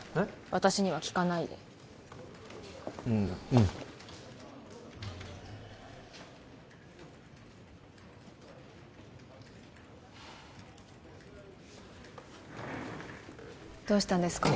私には聞かないでううんどうしたんですか？